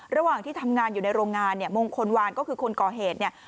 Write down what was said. ระหว่างที่ทำงานอยู่ในโรงงานเนี่ยมงคลวานก็คือคนก่อเหตุเนี่ย